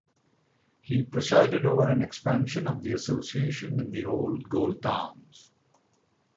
He presided over an expansion of the association in the old gold towns.